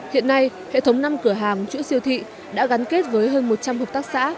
hiện nay hệ thống năm cửa hàng chuỗi siêu thị đã gắn kết với hơn một trăm linh hợp tác xã